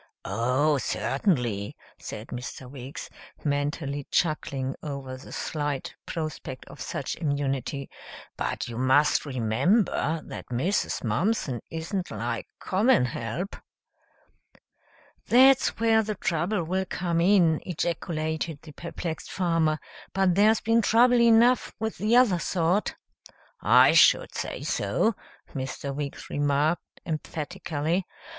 "Oh, certainly," said Mr. Weeks, mentally chuckling over the slight prospect of such immunity, "but you must remember that Mrs. Mumpson isn't like common help " "That's where the trouble will come in," ejaculated the perplexed farmer, "but there's been trouble enough with the other sort." "I should say so," Mr. Weeks remarked emphatically.